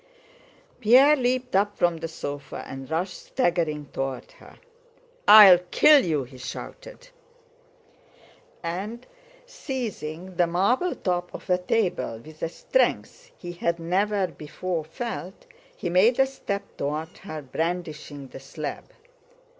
Pierre leaped up from the sofa and rushed staggering toward her. "I'll kill you!" he shouted, and seizing the marble top of a table with a strength he had never before felt, he made a step toward her brandishing the slab.